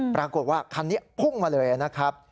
ปรากฏว่าคันนี้พุ่งมาเลยนะครับ